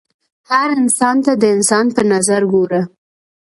هر انسان ته د انسان په نظر ګوره